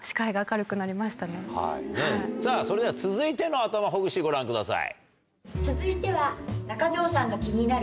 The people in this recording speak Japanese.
さぁそれでは続いての頭ほぐしご覧ください。